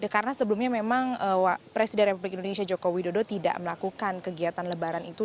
karena sebelumnya memang presiden republik indonesia joko widodo tidak melakukan kegiatan lebaran itu